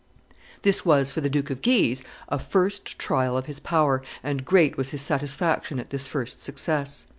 This was, for the Duke of Guise, a first trial of his power, and great was his satisfaction at this first success.